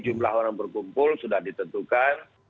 jumlah orang berkumpul sudah ditentukan